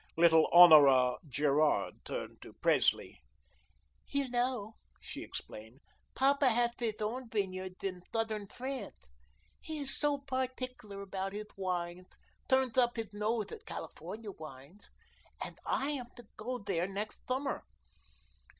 Little Honora Gerard turned to Presley: "You know," she explained, "Papa has his own vineyards in southern France. He is so particular about his wines; turns up his nose at California wines. And I am to go there next summer.